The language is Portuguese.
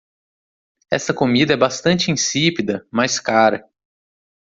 Esta comida é bastante insípida, mas cara.